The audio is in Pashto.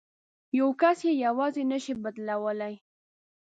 یو کس یې یوازې نه شي بدلولای.